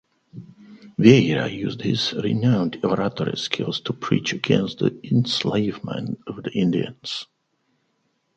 Vieira used his renowned oratory skills to preach against the enslavement of the Indians.